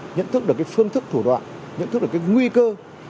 nhận thức được phương thức thủ đoạn nhận thức được nguy cơ